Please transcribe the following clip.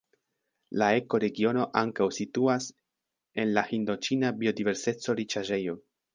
La ekoregiono ankaŭ situas en la Hindoĉina biodiverseco-riĉaĵejo.